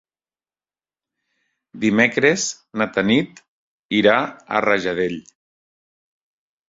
Dimecres na Tanit irà a Rajadell.